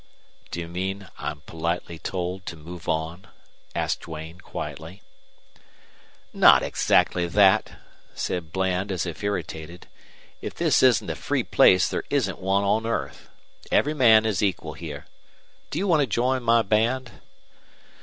"Do you mean I'm politely told to move on?" asked Duane, quietly. "Not exactly that," said Bland, as if irritated. "If this isn't a free place there isn't one on earth. Every man is equal here. Do you want to join my band?"